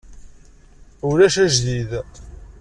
Ulac ajdid.